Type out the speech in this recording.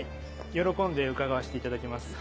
喜んで伺わせていただきます。